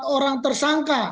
empat orang tersangka